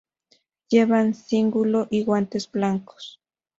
Llevan cíngulo y guantes blancos.